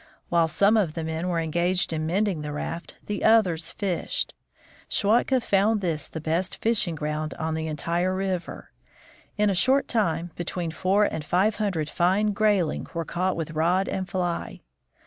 While some of the men were engaged in mending the raft, the others fished. Schwatka found this the best fishing ground on the entire river; in a short time between four and five hundred fine grayling were caught with rod and fly.